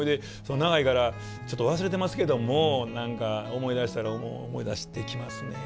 長いからちょっと忘れてますけども何か思い出したら思い出してきますねぇ。